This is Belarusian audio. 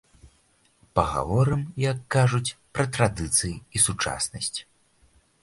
Пагаворым, як кажуць, пра традыцыі і сучаснасць!